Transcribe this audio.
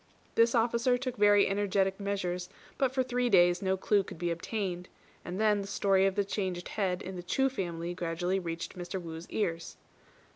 This officer took very energetic measures, but for three days no clue could be obtained; and then the story of the changed head in the Chu family gradually reached Mr. Wu's ears.